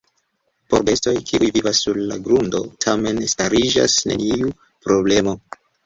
Por bestoj, kiuj vivas sur la grundo, tamen stariĝas neniu problemo.